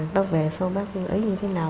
bác về sau bác ấy như thế nào